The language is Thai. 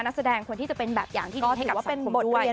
นักแสดงควรที่จะเป็นแบบอย่างที่ดีให้กับบทเรียน